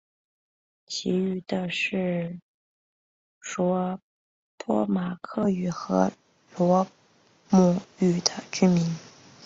其余的是说波马克语和罗姆语的居民。